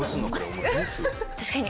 確かに。